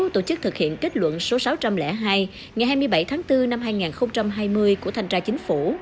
tổ chức thực hiện kết luận số sáu trăm linh hai ngày hai mươi bảy tháng bốn năm hai nghìn hai mươi của thanh tra chính phủ